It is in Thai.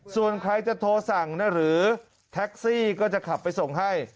ส่วนใครจะโทรสั่งหรือแท็กซี่ก็จะขับไปส่งให้